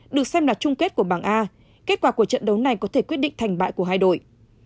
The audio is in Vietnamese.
được xem là chung kết của bảng a kết quả của trận đấu này có thể quyết định thành bại của hai đội